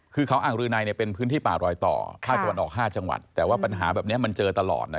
คือเขาอ่างรืนัยเป็นพื้นที่ป่ารอยต่อ